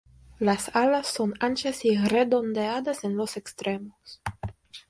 Las alas son anchas y redondeadas en los extremos.